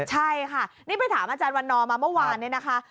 ใช่ค่ะนี่ไปถามอาจารย์วันนอร์มาเมื่อวานนี้นะคะ